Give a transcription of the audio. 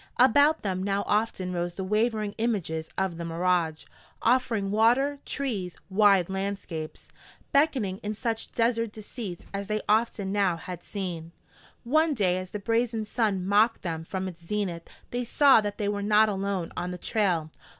About them now often rose the wavering images of the mirage, offering water, trees, wide landscapes; beckoning in such desert deceits as they often now had seen. One day as the brazen sun mocked them from its zenith they saw that they were not alone on the trail.